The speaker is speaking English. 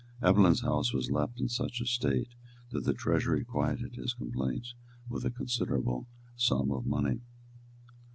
Evelyn's house was left in such a state that the Treasury quieted his complaints with a considerable sum of money.